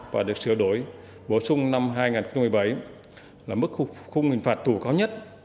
và được sửa đổi bổ sung năm hai nghìn một mươi bảy là mức khu vụ nguyện phạt tù cao nhất